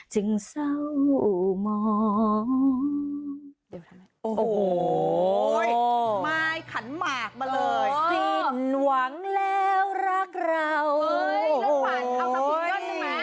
เฮ้ยน้องขวานเอาสัมผิดหนึ่งหนึ่งมั้ย